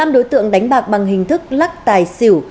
một mươi năm đối tượng đánh bạc bằng hình thức lắc tài xỉu